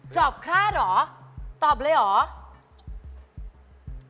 จอบฆ่าเหรอตอบเลยเหรอ